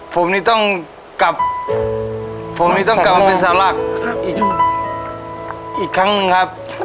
ผมนี่ต้องกลับผมนี่ต้องกลับมาเป็นสาวหลักอีกครั้งหนึ่งครับ